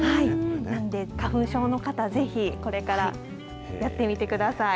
花粉症の方、ぜひこれからやってみてください。